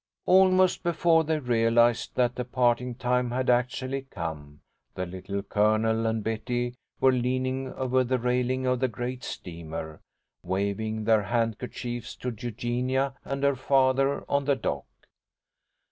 Almost before they realised that the parting time had actually come, the Little Colonel and Betty were leaning over the railing of the great steamer, waving their handkerchiefs to Eugenia and her father on the dock.